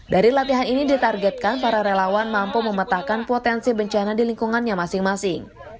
dari latihan ini ditargetkan para relawan mampu memetakan potensi bencana di lingkungannya masing masing